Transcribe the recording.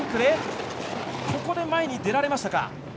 ここで前に出られました。